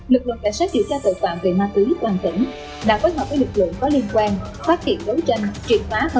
lực lượng cảnh sát điều tra tội phạm về ma túy toàn tỉnh